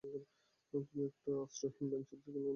তুই একটা আশ্রয়হীন বাইনচোদ, যে কি-না নিজের শূকরকে লাগায়।